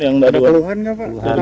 yang dari keluhan nggak pak